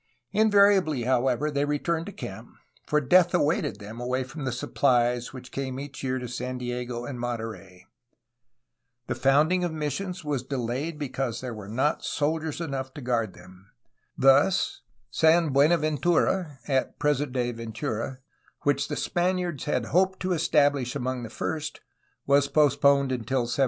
Invariably, how ever, they returned to camp, for death awaited them away from the supphes which came each year to San Diego and Monterey. The founding of missions was delayed because 250 A HISTORY OF CALIFORNIA there were not soldiers enough to guard them. Thus, San Buenaventura (at present day Ventura), which the Span iards had hoped to estabhsh among the first, was postponed until 1782.